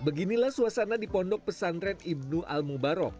beginilah suasana di pondok pesantren ibn al mubarok